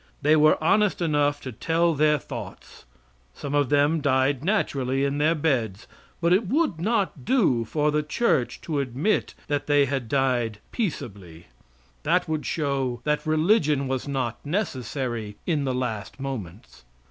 They were honest enough to tell their thoughts. Some of them died naturally in their beds, but it would not do for the church to admit that they died peaceably; that would show that religion was not necessary in the last moments.